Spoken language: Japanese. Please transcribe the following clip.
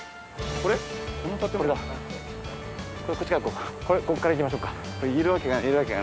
これここから行きましょうか。